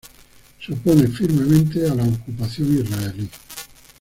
Se opone firmemente a la ocupación israelí.